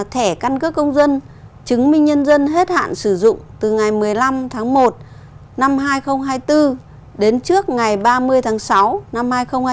thẻ căn cước công dân chứng minh nhân dân hết hạn sử dụng từ ngày một mươi năm tháng một năm hai nghìn hai mươi bốn đến trước ngày ba mươi tháng sáu năm hai nghìn hai mươi bốn